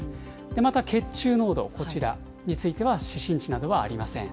また血中濃度、こちらについては、指針値などはありません。